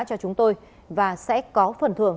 cho chúng tôi và sẽ có phần thưởng